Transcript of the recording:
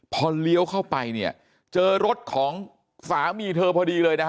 พอเลี้ยวเข้าไปเนี่ยเจอรถของสามีเธอพอดีเลยนะฮะ